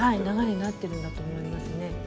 流れになってるんだと思いますね。